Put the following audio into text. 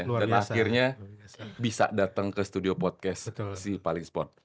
dan akhirnya bisa datang ke studio podcast si paling sport